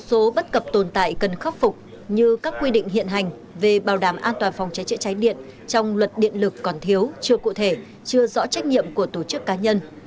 tuy nhiên vẫn còn một số bất cập tồn tại cần khắc phục như các quy định hiện hành về bảo đảm an toàn phòng cháy trị cháy điện trong luật điện lực còn thiếu chưa cụ thể chưa rõ trách nhiệm của tổ chức cá nhân